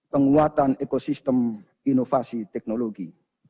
penguatan ekosistem inovasi teknologi